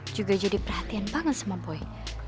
juga jadi perhatian banget sama boy